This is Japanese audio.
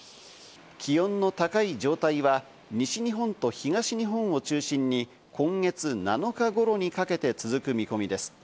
気温の高い状態は西日本と東日本を中心に、今月７日頃にかけて続く見込みです。